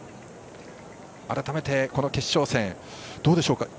改めて、この決勝戦どうでしょうか？